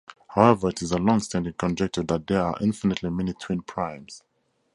However, it is a longstanding conjecture that there are infinitely many twin primes.